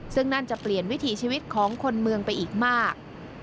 ซึ่งนั่นจะเปลี่ยนวิถีชีวิตของคนเมืองไปอีกมาก